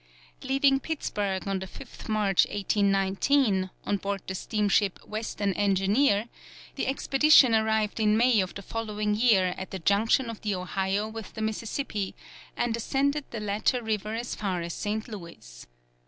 Leaving Pittsburgh on the 5th March, 1819, on board the steamship Western Engineer, the expedition arrived in May of the following year at the junction of the Ohio with the Mississippi, and ascended the latter river as far as St. Louis.